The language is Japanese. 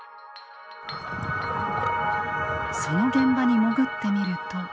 その現場に潜ってみると。